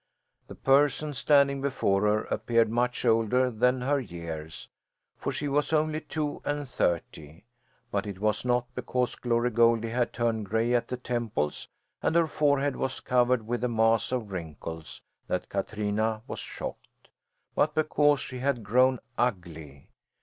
The person standing before her appeared much older than her years; for she was only two and thirty. But it was not because Glory Goldie had turned gray at the temples and her forehead was covered with a mass of wrinkles that Katrina was shocked, but because she had grown ugly.